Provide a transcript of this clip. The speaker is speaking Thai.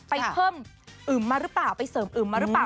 ไปเพิ่มอึมมาหรือเปล่าไปเสริมอึมมาหรือเปล่า